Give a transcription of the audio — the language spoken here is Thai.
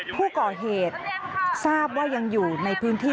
ผู้ก่อเหตุทราบว่ายังอยู่ในพื้นที่